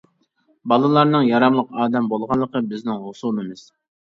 بالىلارنىڭ ياراملىق ئادەم بولغانلىقى بىزنىڭ ھوسۇلىمىز.